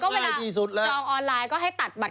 ก็เวลาจองออนไลน์ก็ให้ตัดบัตรเครดิตไปเลย